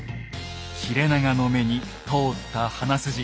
切れ長の目に通った鼻筋。